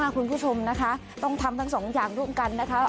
คุณผู้ชมนะคะต้องทำทั้งสองอย่างร่วมกันนะคะ